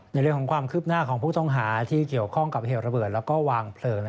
ในเรียกของความคืบหน้าของพวกท่องหาที่เกี่ยวข้องกับเหกระเบิดและวางเผลอ